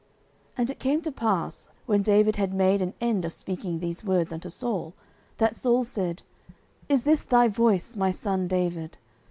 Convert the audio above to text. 09:024:016 And it came to pass, when David had made an end of speaking these words unto Saul, that Saul said, Is this thy voice, my son David?